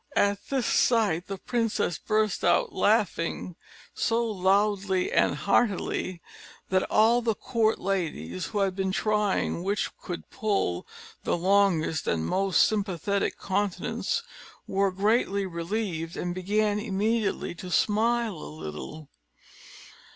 At this sight the princess burst out laughing so loudly and heartily, that all the court ladies, who had been trying which could pull the longest and most sympathetic countenance, were greatly relieved, and began immediately to smile a little.